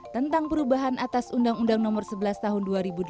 tentang perubahan atas undang undang nomor sebelas tahun dua ribu delapan